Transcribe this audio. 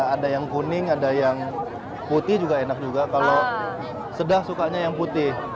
ada yang kuning ada yang putih juga enak juga kalau sedah sukanya yang putih